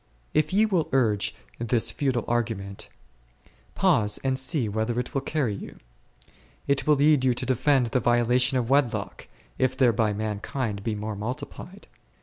If ye will urge this futile argument, pause and see whither it will carry you. It will lead you to defend the violation of wedlock, if thereby mankind may be more multiplied.